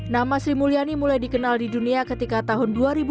nama sri mulyani mulai dikenal di dunia ketika tahun dua ribu dua